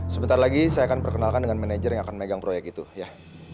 sebentar lagi saya akan perkenalkan dengan manajer yang akan megang proyek itu ya